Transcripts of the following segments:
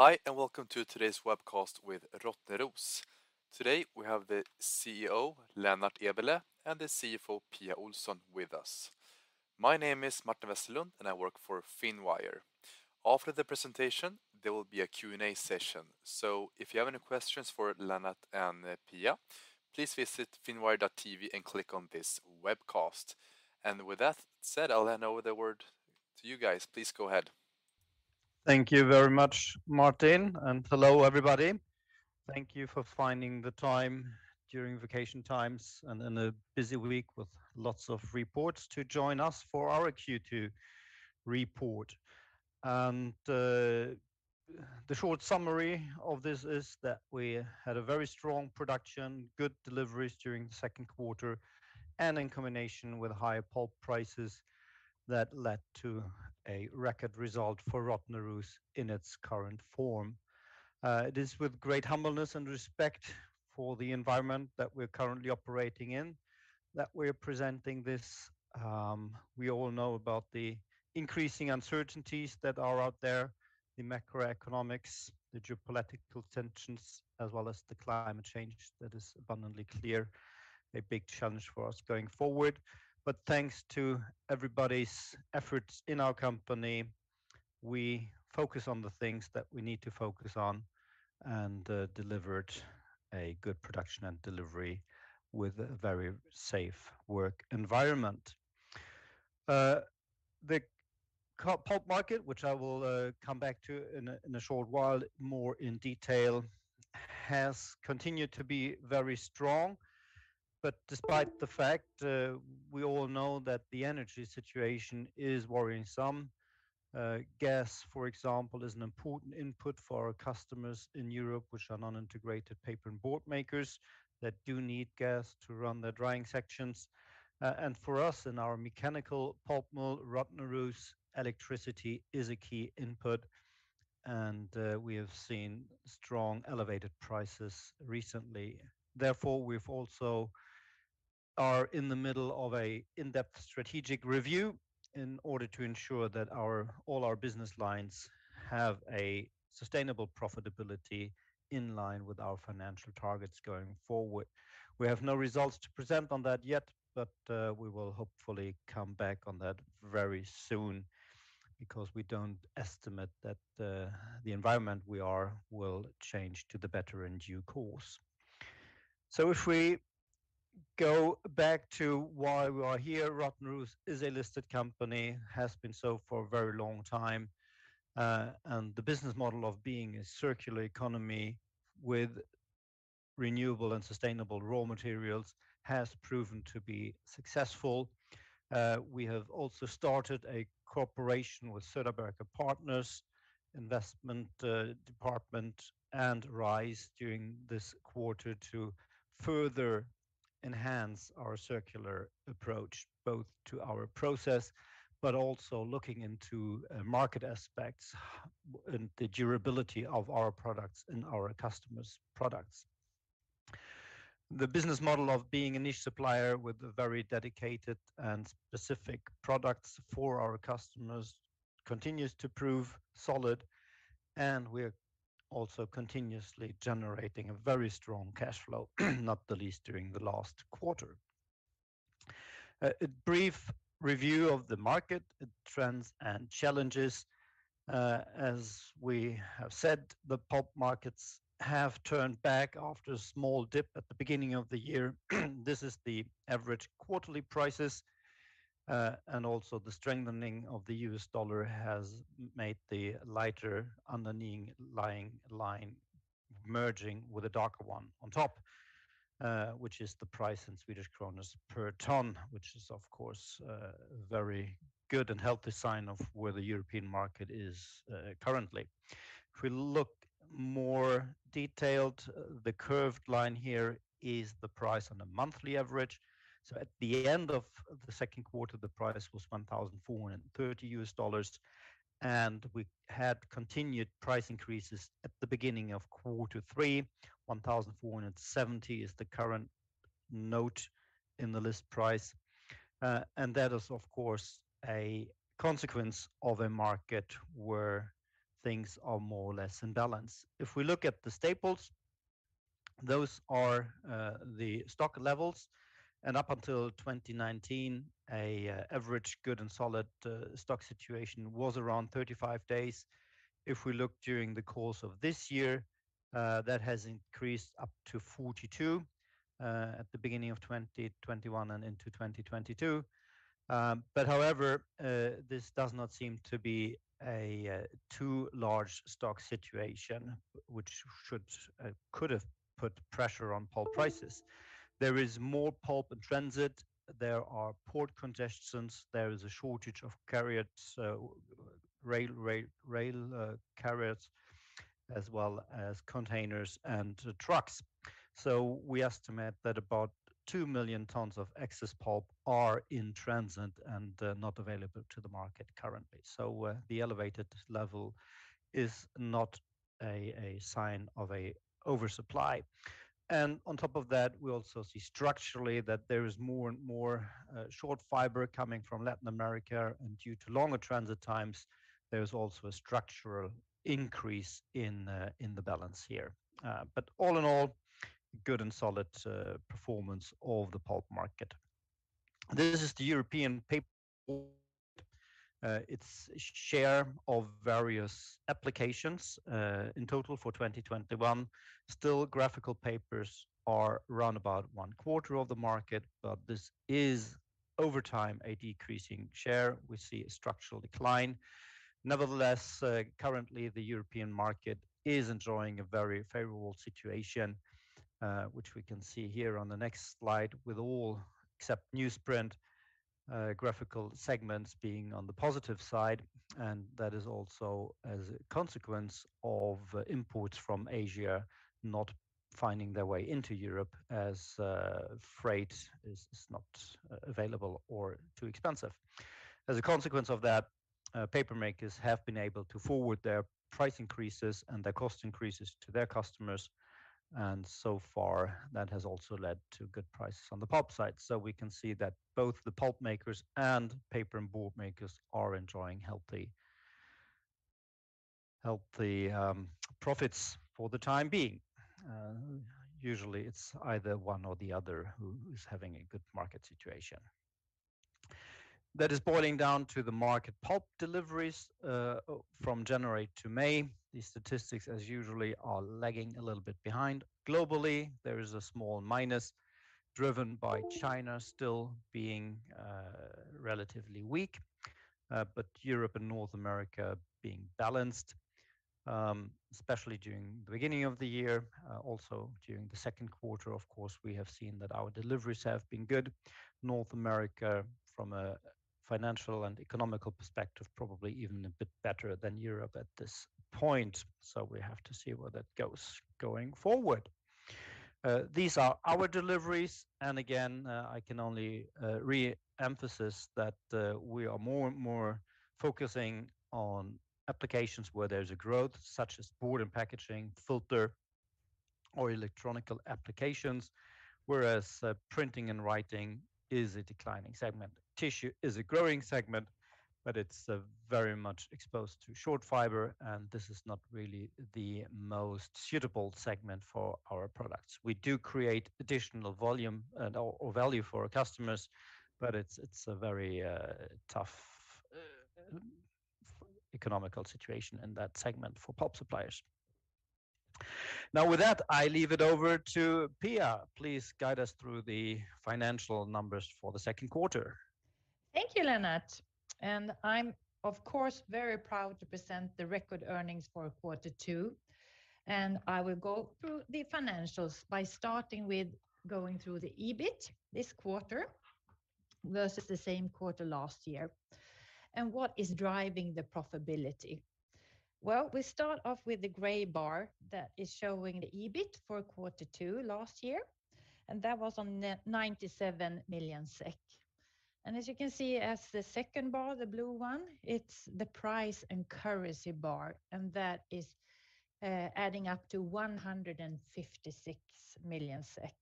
Hi, and welcome to today's webcast with Rottneros. Today, we have the CEO, Lennart Eberleh, and the CFO, Pia Ohlson, with us. My name is Martin Westerlund, and I work for Finwire. After the presentation, there will be a Q&A session. If you have any questions for Lennart and Pia, please visit finwire.tv and click on this webcast. With that said, I'll hand over the word to you guys. Please go ahead. Thank you very much, Martin, and hello, everybody. Thank you for finding the time during vacation times and in a busy week with lots of reports to join us for our Q2 report. The short summary of this is that we had a very strong production, good deliveries during the second quarter, and in combination with higher pulp prices, that led to a record result for Rottneros in its current form. It is with great humbleness and respect for the environment that we're currently operating in that we're presenting this. We all know about the increasing uncertainties that are out there, the macroeconomics, the geopolitical tensions, as well as the climate change that is abundantly clear, a big challenge for us going forward. Thanks to everybody's efforts in our company, we focus on the things that we need to focus on and delivered a good production and delivery with a very safe work environment. The pulp market, which I will come back to in a short while more in detail, has continued to be very strong. Despite the fact, we all know that the energy situation is worrying some. Gas, for example, is an important input for our customers in Europe, which are non-integrated paper and board makers that do need gas to run their drying sections. For us in our mechanical pulp mill, Rottneros, electricity is a key input, and we have seen strong elevated prices recently. Therefore, we are also in the middle of an in-depth strategic review in order to ensure that all our business lines have a sustainable profitability in line with our financial targets going forward. We have no results to present on that yet, but we will hopefully come back on that very soon because we don't estimate that the environment we are in will change for the better in due course. If we go back to why we are here, Rottneros is a listed company, has been so for a very long time, and the business model of being a circular economy with renewable and sustainable raw materials has proven to be successful. We have also started a cooperation with Söderberg & Partners investment department and RISE during this quarter to further enhance our circular approach, both to our process, but also looking into market aspects and the durability of our products and our customers' products. The business model of being a niche supplier with very dedicated and specific products for our customers continues to prove solid, and we're also continuously generating a very strong cash flow, not the least during the last quarter. A brief review of the market trends and challenges. As we have said, the pulp markets have turned back after a small dip at the beginning of the year. This is the average quarterly prices, and also the strengthening of the US dollar has made the lighter underlying line merging with the darker one on top, which is the price in Swedish kronas per ton, which is of course a very good and healthy sign of where the European market is, currently. If we look more detailed, the curved line here is the price on a monthly average. At the end of the second quarter, the price was $1,430, and we had continued price increases at the beginning of quarter three, $1,470 is the current quote in the list price. That is of course a consequence of a market where things are more or less in balance. If we look at the staples, those are the stock levels, and up until 2019, average good and solid stock situation was around 35 days. If we look during the course of this year, that has increased up to 42 at the beginning of 2021 and into 2022. However, this does not seem to be too large a stock situation, which could have put pressure on pulp prices. There is more pulp in transit. There are port congestions. There is a shortage of carriers, so rail carriers as well as containers and trucks. We estimate that about 2 million tons of excess pulp are in transit and not available to the market currently. The elevated level is not a sign of an oversupply. On top of that, we also see structurally that there is more and more short fiber coming from Latin America, and due to longer transit times, there is also a structural increase in the balance here. All in all, good and solid performance of the pulp market. This is the European paper. Its share of various applications, in total for 2021. Still graphic papers are around about 1/4 of the market, but this is over time a decreasing share. We see a structural decline. Nevertheless, currently the European market is enjoying a very favorable situation, which we can see here on the next slide with all except newsprint, graphical segments being on the positive side, and that is also as a consequence of imports from Asia not finding their way into Europe as freight is not available or too expensive. As a consequence of that, paper makers have been able to forward their price increases and their cost increases to their customers, and so far, that has also led to good prices on the pulp side. We can see that both the pulp makers and paper and board makers are enjoying healthy profits for the time being. Usually it's either one or the other who's having a good market situation. That is boiling down to the market pulp deliveries from January to May. These statistics, as usual, are lagging a little bit behind. Globally, there is a small minus driven by China still being relatively weak, but Europe and North America being balanced, especially during the beginning of the year, also during the second quarter, of course, we have seen that our deliveries have been good. North America from a financial and economic perspective, probably even a bit better than Europe at this point, so we have to see where that goes going forward. These are our deliveries, and again, I can only reemphasize that we are more and more focusing on applications where there's growth such as board and packaging, filter or electrotechnical applications, whereas printing and writing is a declining segment. Tissue is a growing segment, but it's very much exposed to short fiber, and this is not really the most suitable segment for our products. We do create additional volume and/or value for our customers, but it's a very tough economic situation in that segment for pulp suppliers. Now, with that, I leave it over to Pia. Please guide us through the financial numbers for the second quarter. Thank you, Lennart. I'm of course very proud to present the record earnings for quarter two, and I will go through the financials by starting with going through the EBIT this quarter versus the same quarter last year, and what is driving the profitability. Well, we start off with the gray bar that is showing the EBIT for quarter two last year, and that was of 97 million SEK. As you can see, as the second bar, the blue one, it's the price and currency bar, and that is adding up to 156 million SEK.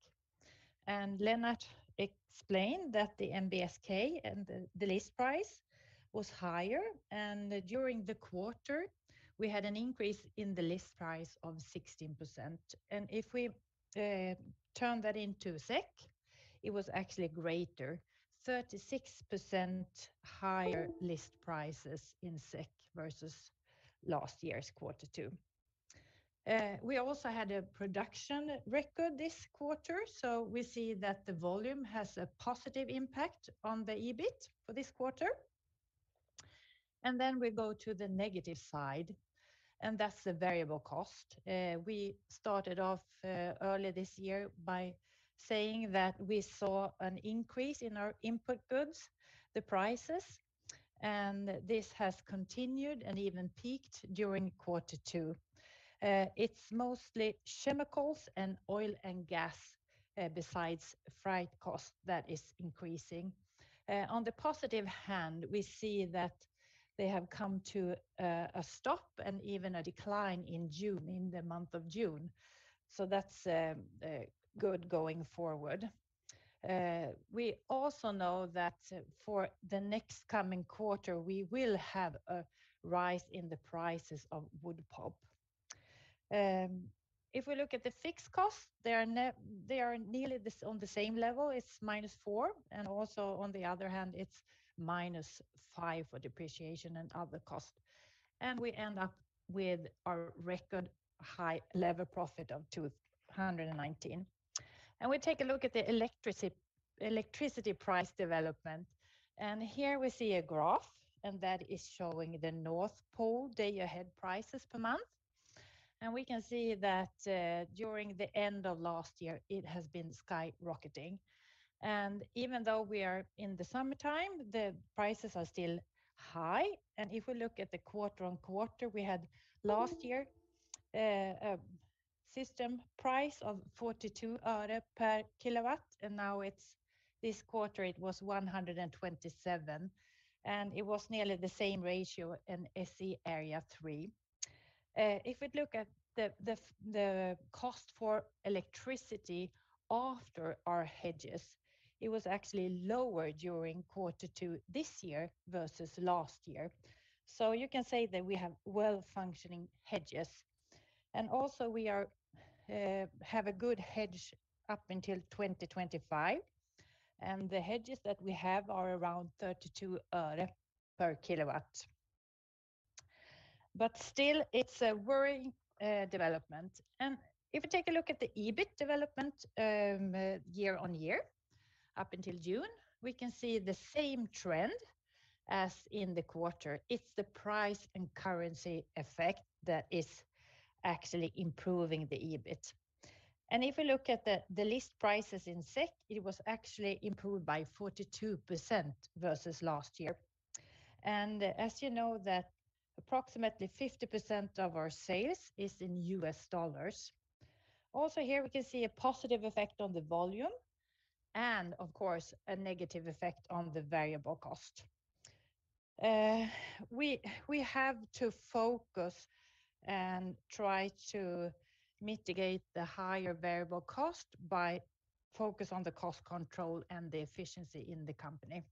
Lennart explained that the NBSK and the list price was higher, and during the quarter, we had an increase in the list price of 16%. If we turn that into a SEK, it was actually greater, 36% higher list prices in SEK versus last year's quarter two. We also had a production record this quarter, so we see that the volume has a positive impact on the EBIT for this quarter. Then we go to the negative side, and that's the variable cost. We started off early this year by saying that we saw an increase in our input goods, the prices, and this has continued and even peaked during quarter two. It's mostly chemicals and oil and gas, besides freight cost that is increasing. On the positive hand, we see that they have come to a stop and even a decline in June, in the month of June, so that's good going forward. We also know that for the next coming quarter, we will have a rise in the prices of wood pulp. If we look at the fixed costs, they are nearly on the same level, it's -4%. Also on the other hand, it's -5% for depreciation and other costs. We end up with our record high lever profit of 219. We take a look at the electricity price development. Here we see a graph, and that is showing the Nord Pool day-ahead prices per month. We can see that during the end of last year, it has been skyrocketing. Even though we are in the summertime, the prices are still high. If we look at the quarter-over-quarter we had last year, system price of 42 öre per kilowatt, and now it's this quarter it was 127, and it was nearly the same ratio in SE Area Three. If we look at the cost for electricity after our hedges, it was actually lower during quarter two this year versus last year. You can say that we have well-functioning hedges. Also we have a good hedge up until 2025, and the hedges that we have are around 32 öre per kilowatt. Still, it's a worrying development. If you take a look at the EBIT development, year-over-year up until June, we can see the same trend as in the quarter. It's the price and currency effect that is actually improving the EBIT. If you look at the list prices in SEK, it was actually improved by 42% versus last year. As you know that approximately 50% of our sales is in US dollars. Also here, we can see a positive effect on the volume and of course, a negative effect on the variable cost. We have to focus and try to mitigate the higher variable cost by focus on the cost control and the efficiency in the company.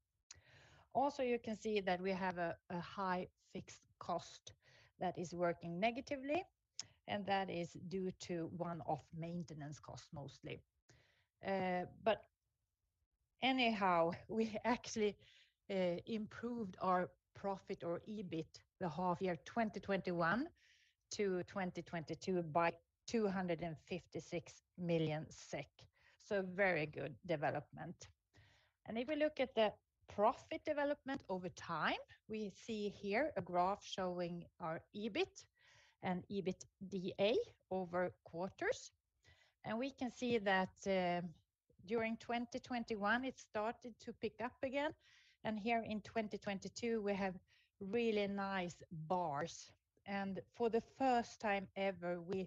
Also, you can see that we have a high fixed cost that is working negatively, and that is due to one-off maintenance costs mostly. Anyhow, we actually improved our profit or EBIT the half year 2021 to 2022 by 256 million SEK, very good development. If you look at the profit development over time, we see here a graph showing our EBIT and EBITDA over quarters. We can see that during 2021, it started to pick up again. Here in 2022, we have really nice bars. For the first time ever, we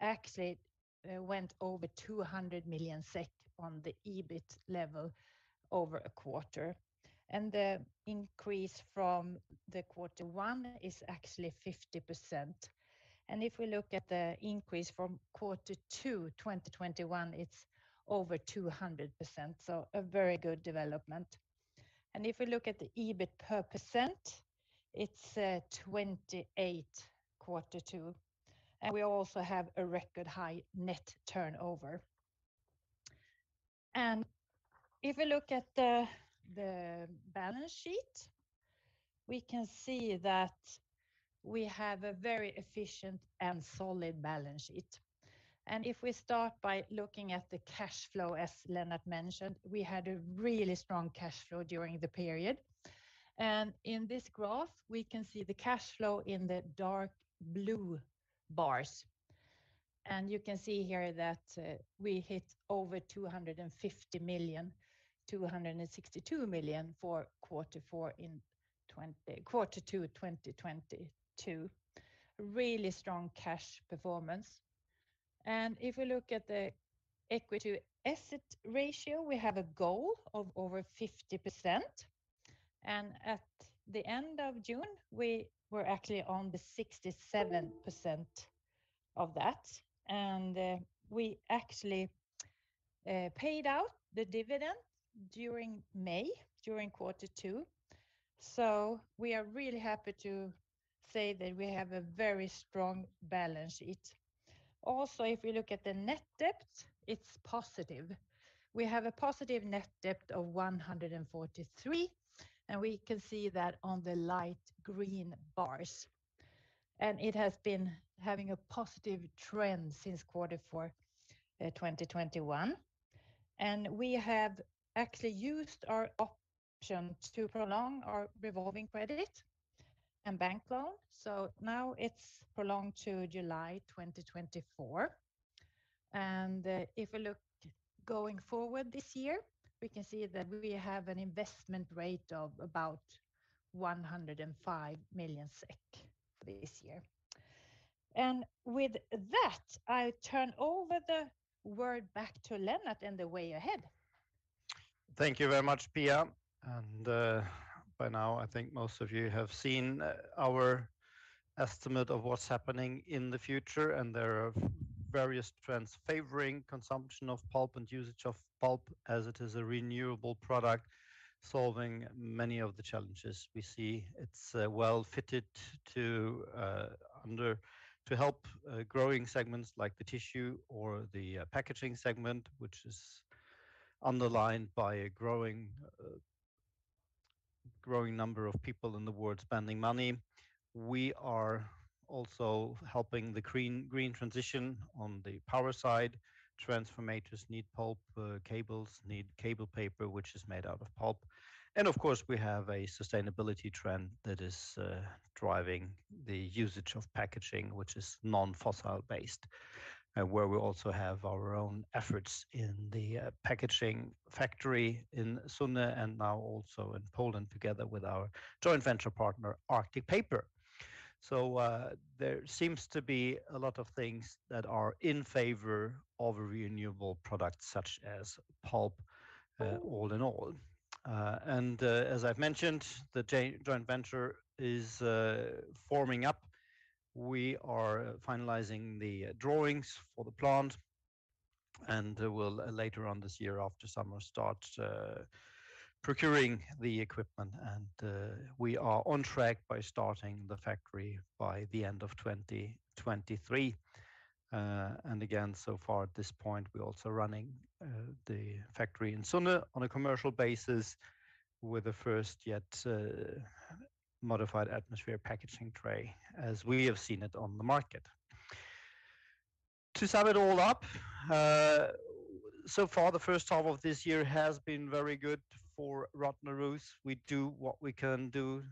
actually went over 200 million SEK on the EBIT level over a quarter. The increase from quarter one is actually 50%. If we look at the increase from quarter two 2021, it's over 200%, so a very good development. If we look at the EBIT per percent, it's 28 quarter two. We also have a record high net turnover. If you look at the balance sheet, we can see that we have a very efficient and solid balance sheet. If we start by looking at the cash flow, as Lennart mentioned, we had a really strong cash flow during the period. In this graph, we can see the cash flow in the dark blue bars. You can see here that we hit over 250 million, 262 million for quarter two 2022. Really strong cash performance. If we look at the equity asset ratio, we have a goal of over 50%. At the end of June, we were actually on the 67% of that. We actually paid out the dividend during May, during quarter two. We are really happy to say that we have a very strong balance sheet. Also, if you look at the net debt, it's positive. We have a positive net debt of 143, and we can see that on the light green bars. It has been having a positive trend since quarter four 2021. We have actually used our option to prolong our revolving credit and bank loan, so now it's prolonged to July 2024. If we look going forward this year, we can see that we have an investment rate of about 105 million SEK for this year. With that, I turn over the word back to Lennart and the way ahead. Thank you very much, Pia. By now, I think most of you have seen our estimate of what's happening in the future, and there are various trends favoring consumption of pulp and usage of pulp as it is a renewable product, solving many of the challenges we see. It's well fitted to help growing segments like the tissue or the packaging segment, which is underlined by a growing number of people in the world spending money. We are also helping the green transition on the power side. Transformers need pulp, cables need cable paper, which is made out of pulp. Of course, we have a sustainability trend that is driving the usage of packaging, which is non-fossil based, where we also have our own efforts in the packaging factory in Sunne and now also in Poland together with our joint venture partner, Arctic Paper. There seems to be a lot of things that are in favor of a renewable product such as pulp, all in all. As I've mentioned, the joint venture is forming up. We are finalizing the drawings for the plant, and we'll later on this year after summer start procuring the equipment. We are on track by starting the factory by the end of 2023. Again, so far at this point, we're also running the factory in Sunne on a commercial basis with the first yet Modified Atmosphere Packaging tray as we have seen it on the market. To sum it all up, so far the first half of this year has been very good for Rottneros. We do what we can do,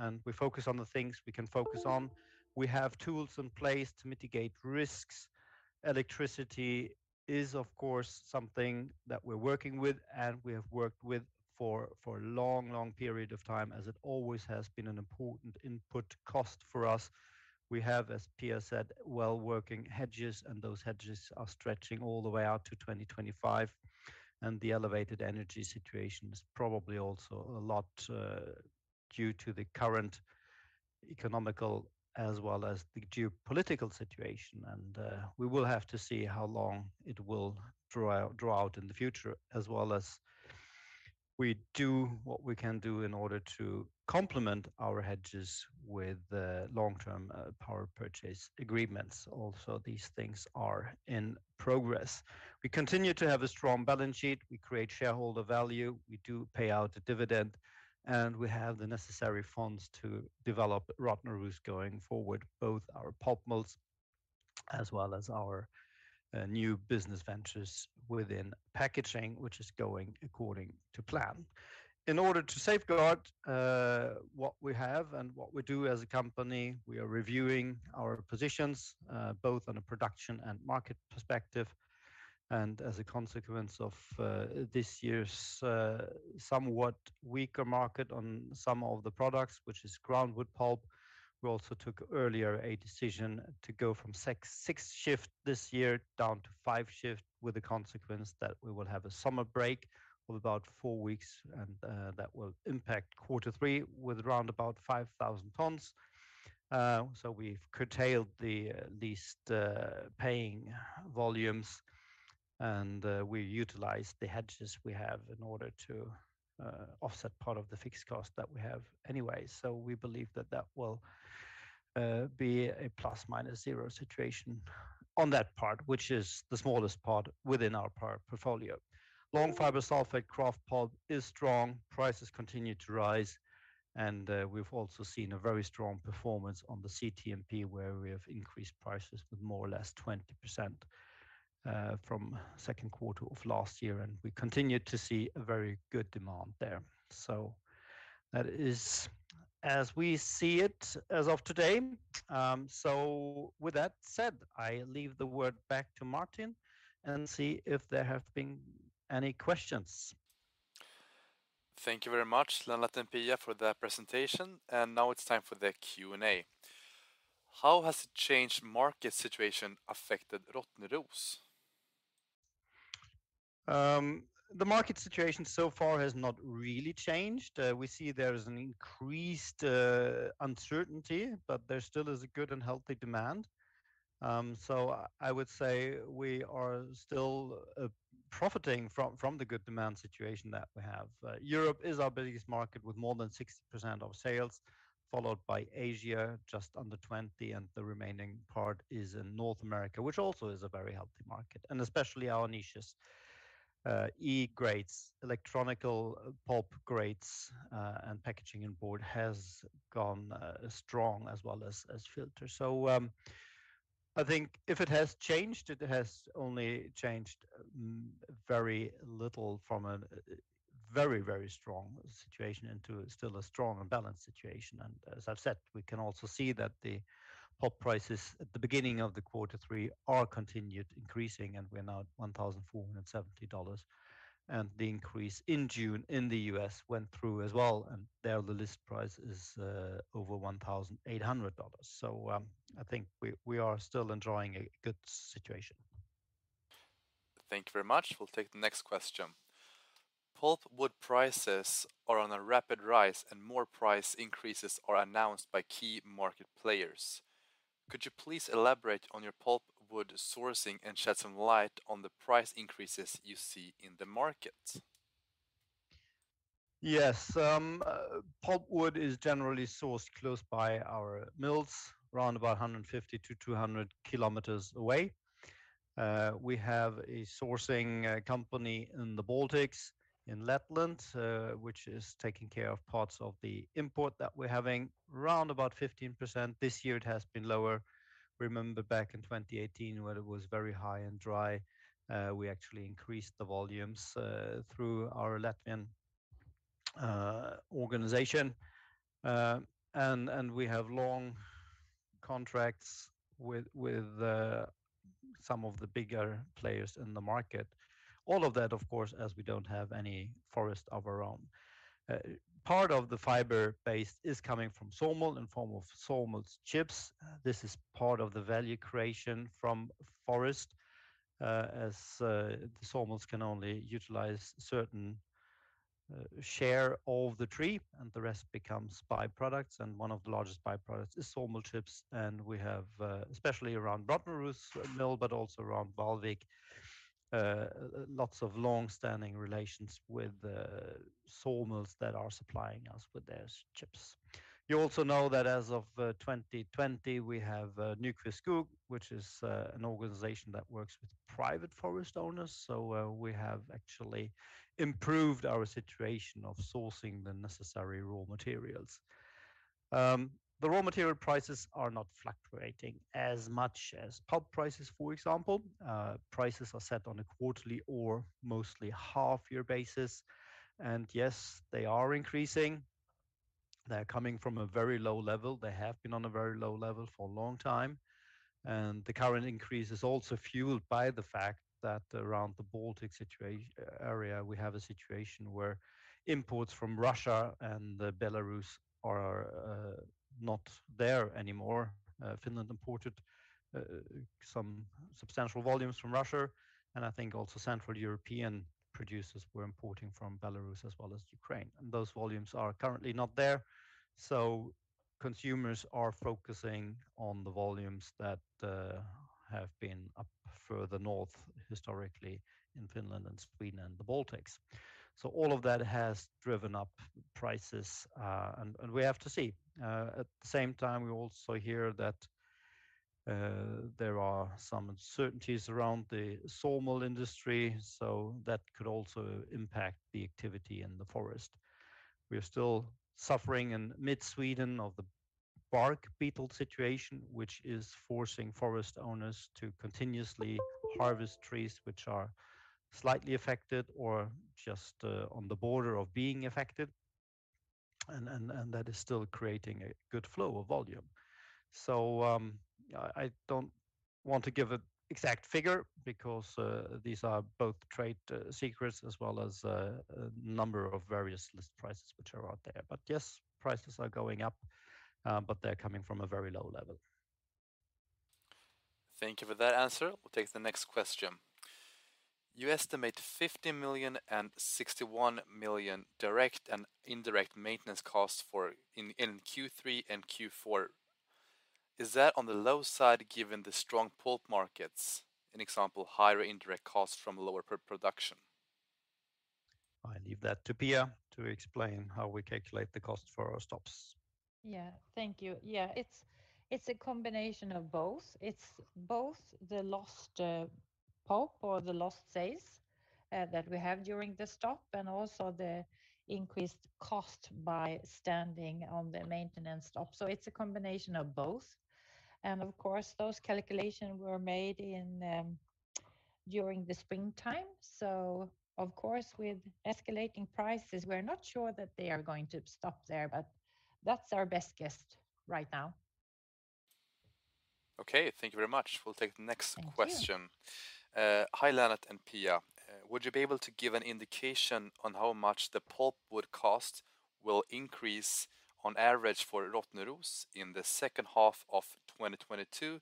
and we focus on the things we can focus on. We have tools in place to mitigate risks. Electricity is, of course, something that we're working with and we have worked with for a long period of time, as it always has been an important input cost for us. We have, as Pia said, well-working hedges, and those hedges are stretching all the way out to 2025. The elevated energy situation is probably also a lot due to the current economic as well as the geopolitical situation. We will have to see how long it will draw out in the future, as well as we do what we can do in order to complement our hedges with long-term power purchase agreements. These things are in progress. We continue to have a strong balance sheet. We create shareholder value. We do pay out a dividend, and we have the necessary funds to develop Rottneros going forward, both our pulp mills as well as our new business ventures within packaging, which is going according to plan. In order to safeguard what we have and what we do as a company, we are reviewing our positions both on a production and market perspective. As a consequence of this year's somewhat weaker market on some of the products, which is groundwood pulp, we also took earlier a decision to go from 6 shift this year down to 5 shift, with the consequence that we will have a summer break of about 4 weeks, and that will impact quarter three with around about 5,000 tons. We've curtailed the least paying volumes, and we utilized the hedges we have in order to offset part of the fixed cost that we have anyway. We believe that will be a plus minus zero situation on that part, which is the smallest part within our power portfolio. Long fiber sulfate kraft pulp is strong. Prices continue to rise, and we've also seen a very strong performance on the CTMP, where we have increased prices with more or less 20%, from second quarter of last year, and we continue to see a very good demand there. That is as we see it as of today. With that said, I leave the word back to Martin and see if there have been any questions. Thank you very much, Lennart and Pia, for the presentation. Now it's time for the Q&A. How has the changed market situation affected Rottneros? The market situation so far has not really changed. We see there is an increased uncertainty, but there still is a good and healthy demand. I would say we are still profiting from the good demand situation that we have. Europe is our biggest market with more than 60% of sales, followed by Asia, just under 20%, and the remaining part is in North America, which also is a very healthy market. Especially our niches, E-grades, electrotechnical pulp grades, and packaging and board has gone strong as well as filters. I think if it has changed, it has only changed very little from a very, very strong situation into still a strong and balanced situation. As I've said, we can also see that the pulp prices at the beginning of the quarter three are continued increasing, and we're now at $1,470. The increase in June in the US went through as well, and there the list price is over $1,800. I think we are still enjoying a good situation. Thank you very much. We'll take the next question. Pulpwood prices are on a rapid rise, and more price increases are announced by key market players. Could you please elaborate on your pulpwood sourcing and shed some light on the price increases you see in the market? Yes. Pulpwood is generally sourced close by our mills, around about 150-200 kilometers away. We have a sourcing company in the Baltics in Letland, which is taking care of parts of the import that we're having, around about 15%. This year it has been lower. Remember back in 2018 when it was very high and dry, we actually increased the volumes through our Letland organization. We have long contracts with some of the bigger players in the market. All of that, of course, as we don't have any forest of our own. Part of the fiber base is coming from sawmill in form of sawmill chips. This is part of the value creation from forest, the sawmills can only utilize certain share of the tree and the rest becomes byproducts, and one of the largest byproducts is sawmill chips. We have especially around Rottneros mill but also around Vallvik, lots of long-standing relations with the saw mills that are supplying us with their chips. You also know that as of 2020 we have Nykvist Skogs, which is an organization that works with private forest owners. We have actually improved our situation of sourcing the necessary raw materials. The raw material prices are not fluctuating as much as pulp prices, for example. Prices are set on a quarterly or mostly half-year basis, and yes, they are increasing. They're coming from a very low level. They have been on a very low level for a long time, and the current increase is also fueled by the fact that around the Baltic area we have a situation where imports from Russia and Belarus are not there anymore. Finland imported some substantial volumes from Russia, and I think also Central European producers were importing from Belarus as well as Ukraine. Those volumes are currently not there, so consumers are focusing on the volumes that have been up further north historically in Finland and Sweden and the Baltics. All of that has driven up prices, and we have to see. At the same time, we also hear that there are some uncertainties around the sawmill industry, so that could also impact the activity in the forest. We are still suffering in mid-Sweden of the bark beetle situation, which is forcing forest owners to continuously harvest trees which are slightly affected or just on the border of being affected, and that is still creating a good flow of volume. I don't want to give an exact figure because these are both trade secrets as well as number of various list prices which are out there. Yes, prices are going up, but they're coming from a very low level. Thank you for that answer. We'll take the next question. You estimate 50 million and 61 million direct and indirect maintenance costs for in Q3 and Q4. Is that on the low side given the strong pulp markets? For example, higher indirect costs from lower production. I leave that to Pia to explain how we calculate the cost for our stops. Thank you. It's a combination of both. It's both the lost pulp or the lost sales that we have during the stop and also the increased cost by standing on the maintenance stop. It's a combination of both. Of course, those calculations were made during the springtime. Of course, with escalating prices, we're not sure that they are going to stop there, but that's our best guess right now. Okay. Thank you very much. We'll take the next question. Thank you. Hi, Lennart and Pia. Would you be able to give an indication on how much the pulp wood cost will increase on average for Rottneros in the second half of 2022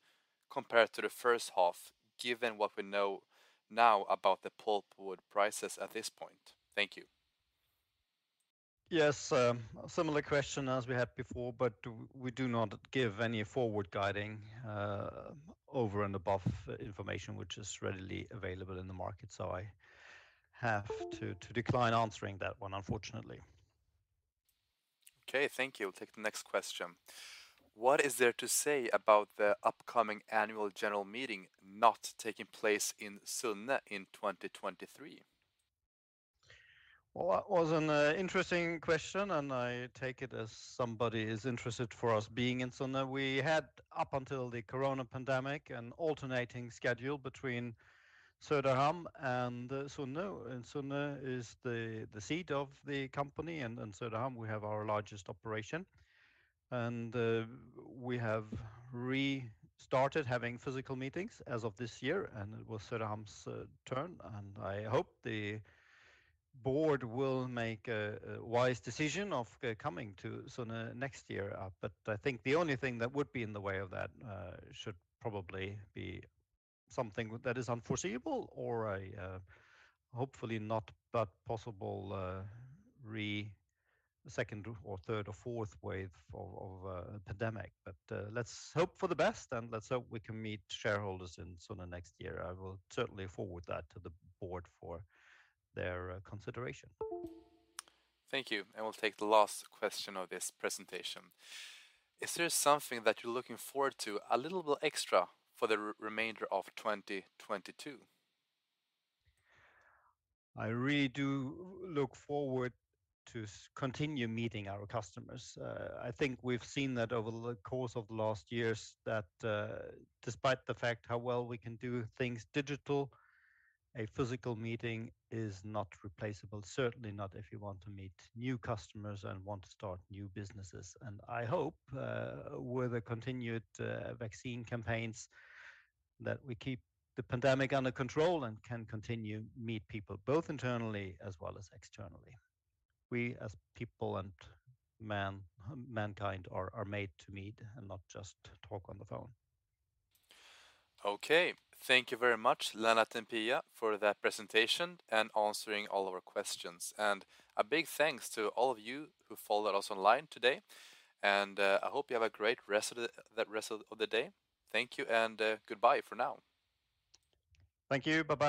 compared to the first half, given what we know now about the pulp wood prices at this point? Thank you. Yes, a similar question as we had before, but we do not give any forward guidance, over and above information which is readily available in the market. I have to decline answering that one unfortunately. Okay, thank you. We'll take the next question. What is there to say about the upcoming annual general meeting not taking place in Sunne in 2023? Well, that was an interesting question, and I take it as somebody is interested for us being in Sunne. We had up until the corona pandemic an alternating schedule between Söderhamn and Sunne, and Sunne is the seat of the company, and in Söderhamn we have our largest operation. We have restarted having physical meetings as of this year, and it was Söderhamn's turn. I hope the board will make a wise decision of coming to Sunne next year. I think the only thing that would be in the way of that should probably be something that is unforeseeable or a hopefully not but possible second or third or fourth wave of a pandemic. Let's hope for the best, and let's hope we can meet shareholders in Sunne next year. I will certainly forward that to the board for their consideration. Thank you. We'll take the last question of this presentation. Is there something that you're looking forward to a little bit extra for the remainder of 2022? I really do look forward to continue meeting our customers. I think we've seen that over the course of the last years that, despite the fact how well we can do things digitally, a physical meeting is not replaceable, certainly not if you want to meet new customers and want to start new businesses. I hope, with the continued, vaccine campaigns that we keep the pandemic under control and can continue meet people both internally as well as externally. We as people and mankind are made to meet and not just talk on the phone. Okay. Thank you very much, Lennart and Pia, for that presentation and answering all of our questions. A big thanks to all of you who followed us online today. I hope you have a great rest of the day. Thank you and goodbye for now. Thank you. Bye-bye.